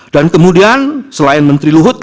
dan kemudian selain menteri luhut